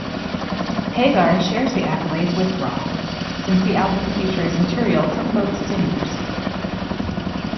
Hagar shares the accolade with Roth, since the album features material from both singers.